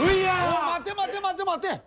お待て待て待て待て！